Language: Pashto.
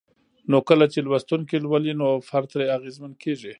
نو کله چې لوستونکي لولي نو فرد ترې اغېزمن کيږي